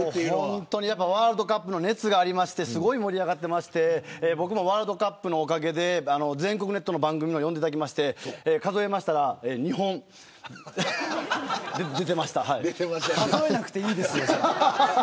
ワールドカップの熱があってすごい盛り上がってまして僕もワールドカップのおかげで全国ネットの番組呼んでいただきまして数えなくていいですよ。